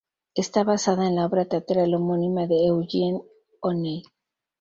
Está basada en la obra teatral homónima de Eugene O'Neill.